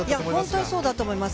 本当にそうだと思います。